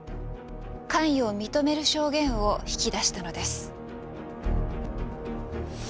関与を認める証言を引き出したのです。